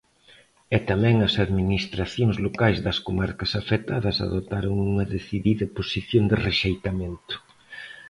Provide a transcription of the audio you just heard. E tamén as administracións locais das comarcas afectadas adoptaron unha decidida posición de rexeitamento.